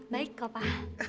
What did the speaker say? baik kau pa